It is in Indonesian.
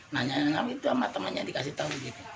nanya nanya itu sama temannya dikasih tahu